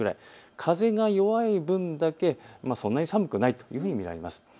風が弱い分だけそんなに寒くないというふうに見られます。